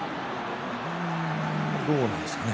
どうなんですかね？